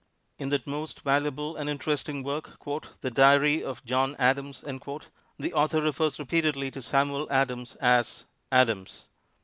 In that most valuable and interesting work, "The Diary of John Adams," the author refers repeatedly to Samuel Adams as "Adams"!